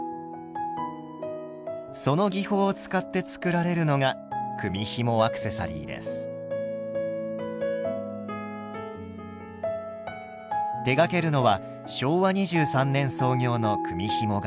その技法を使って作られるのが手がけるのは昭和２３年創業の組みひも会社。